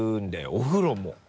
お風呂も。